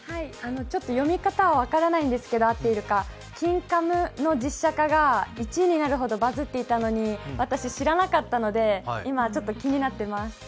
読み方は分からないんですけど、「金カム」の実写化が１位になるほどバズっていたのに私、知らなかったので今、ちょっと気になっています。